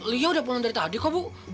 lia udah pulang dari tadi kok bu